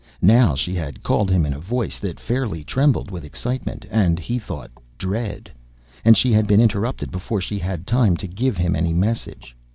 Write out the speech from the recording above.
Now she had called him in a voice that fairly trembled with excitement and, he thought, dread! And she had been interrupted before she had time to give him any message.